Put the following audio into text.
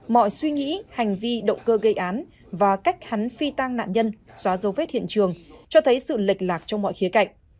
mọi suy nghĩ hành vi động cơ gây án và cách hắn phi tang nạn nhân xóa dấu vết hiện trường cho thấy sự lệch lạc trong mọi khía cạnh